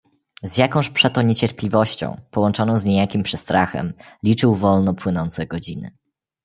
"Z jakąż przeto niecierpliwością, połączoną z niejakim przestrachem, liczył wolno płynące godziny."